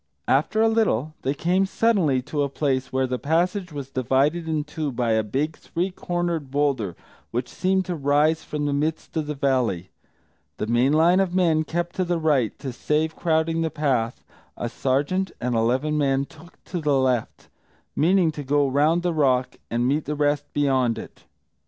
After a little they came suddenly to a place where the passage was divided in two by a big three cornered boulder which seemed to rise from the midst of the valley. The main line of men kept to the right; to save crowding the path, a sergeant and eleven men took the left, meaning to go round the rock and meet the rest beyond it.